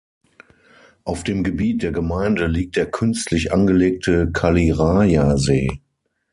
Auf dem Gebiet der Gemeinde liegt der künstlich angelegte Caliraya-See.